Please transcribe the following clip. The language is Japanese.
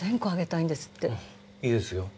いいですよ。